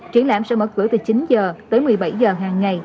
triển lãm sẽ mở cửa từ chín h tới một mươi bảy h hàng ngày